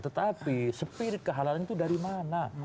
tetapi spirit kehalalan itu dari mana